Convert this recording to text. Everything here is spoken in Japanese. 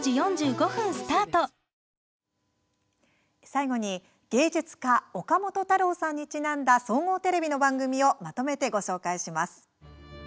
最後に、芸術家・岡本太郎さんにちなんだ総合テレビの番組をまとめてご紹介します。